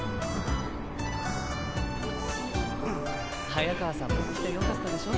早川さんも来てよかったでしょ？